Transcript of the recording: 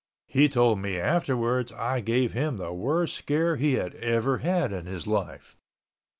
He told me afterwards I gave him the worst scare he had ever had in his life.